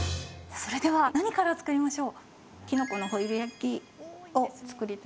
それでは何から作りましょう？